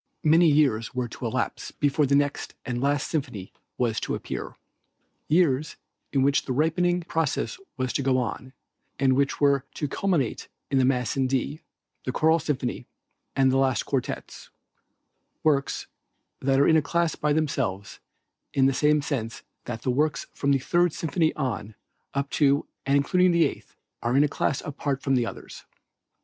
Many years were to elapse before the next and last symphony was to appear; years in which the ripening process was to go on, and which were to culminate in the Mass in D, the Choral Symphony and the last quartets, works that are in a class by themselves in the same sense that the works from the Third Symphony on, up to, and including the Eighth, are in a class apart from the others.